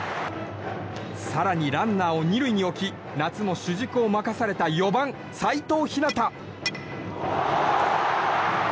更にランナーを２塁に置き夏の主軸を任された４番、齋藤陽。